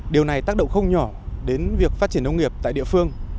điều này tác động không nhỏ đến việc phát triển nông nghiệp tại địa phương